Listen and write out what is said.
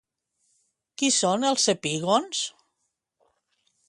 Qui són els epígons?